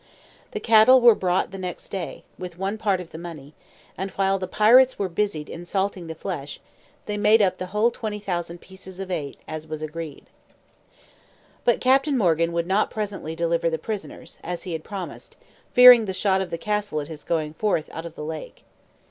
The cattle were brought the next day, with one part of the money; and, while the pirates were busied in salting the flesh, they made up the whole 20,000 pieces of eight, as was agreed. But Captain Morgan would not presently deliver the prisoners, as he had promised, fearing the shot of the castle at his going forth out of the lake.